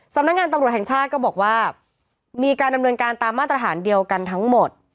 สำนักงานตำรวจแห่งชาติก็บอกว่ามีการดำเนินการตามมาตรฐานเดียวกันทั้งหมด